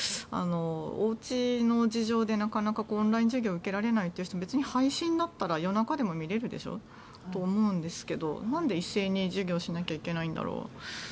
おうちの事情でなかなかオンライン授業を受けられないという人も別に配信だったら夜中でも見られるでしょと思うんですけどなんで一斉に授業しなきゃいけないんだろう。